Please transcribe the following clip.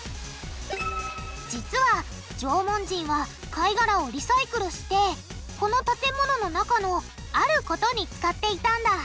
実は縄文人は貝がらをリサイクルしてこの建物の中のあることに使っていたんだ。